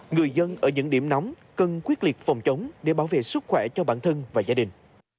người dân ở những điểm nóng cần quyết liệt phòng chống để bảo vệ sức khỏe cho bản thân và gia đình